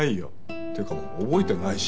っていうかもう覚えてないし。